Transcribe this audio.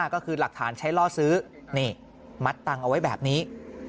ก็คือหลักฐานใช้ล่อซื้อนี่มัดตังค์เอาไว้แบบนี้